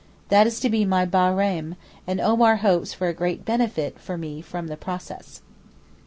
That is to be my Bairam, and Omar hopes for great benefit for me from the process.